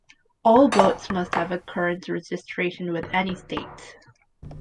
All boats must have a current registration with any state.